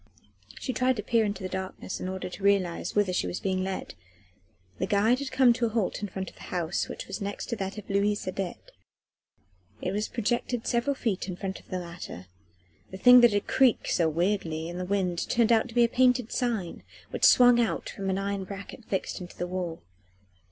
She tried to peer into the darkness in order to realise whither she was being led. The guide had come to a halt in front of the house which was next to that of Louise Adet: it projected several feet in front of the latter: the thing that had creaked so weirdly in the wind turned out to be a painted sign, which swung out from an iron bracket fixed into the wall.